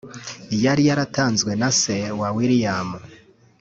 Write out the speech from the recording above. yari yaratanzwe na se wa William